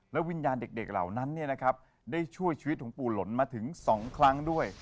วิญญาณเด็กเหล่านั้นได้ช่วยชีวิตของปู่หล่นมาถึง๒ครั้งด้วย